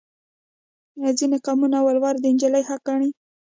ځینې قومونه ولور د نجلۍ حق ګڼي.